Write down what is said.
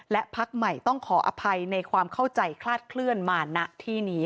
และพักใหม่ต้องขออภัยในความเข้าใจคลาดเคลื่อนมาณที่นี้